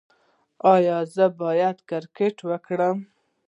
ایا زه باید کرکټ وکړم؟